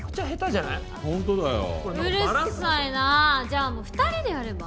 じゃあもう２人でやれば？